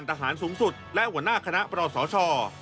ทหารสูงสุดและหัวหน้าคณะปรสช